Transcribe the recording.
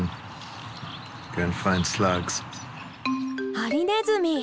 ハリネズミ！